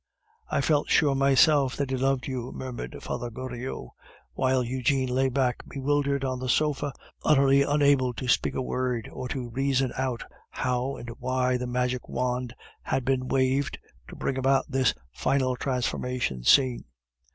"I felt sure myself that he loved you," murmured Father Goriot, while Eugene lay back bewildered on the sofa, utterly unable to speak a word or to reason out how and why the magic wand had been waved to bring about this final transformation scene.